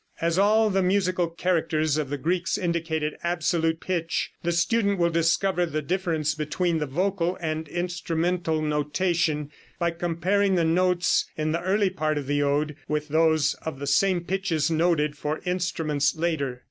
As all the musical characters of the Greeks indicated absolute pitch, the student will discover the difference between the vocal and instrumental notation by comparing the notes in the early part of the ode with those of the same pitches noted for instruments later.